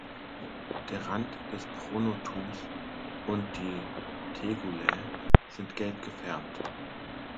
Der Rand des Pronotums und die Tegulae sind gelb gefärbt.